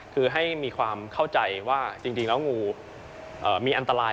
คือให้มีความเข้าใจว่าจริงแล้วงูมีอันตราย